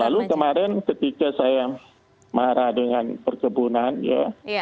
lalu kemarin ketika saya marah dengan perkebunan ya